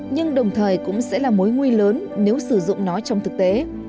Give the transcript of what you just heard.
nhưng đồng thời cũng sẽ là mối nguy lớn nếu sử dụng nó trong thực tế